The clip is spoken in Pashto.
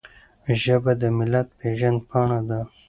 ژبه د ملت پیژند پاڼه ده.